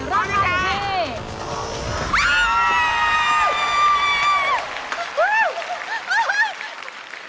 รอบครั้งที่ขอบคุณครับ